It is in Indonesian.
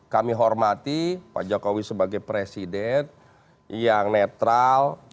kami hormati pak jokowi sebagai presiden yang netral